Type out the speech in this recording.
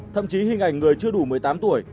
thậm chí hình ảnh người chưa đủ một mươi tám tuổi